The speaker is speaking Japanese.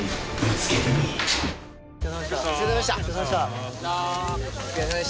お疲れさまでした。